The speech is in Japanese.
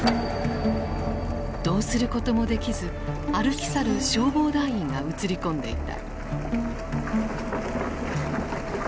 どうすることもできず歩き去る消防団員が映り込んでいた。